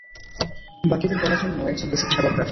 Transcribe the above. বাকিদের বলার জন্য একজন বেঁচে থাকা দরকার।